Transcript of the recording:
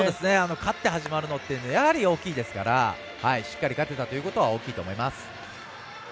勝って始まるのは大きいですからしっかり勝てたというところは大きいと思います。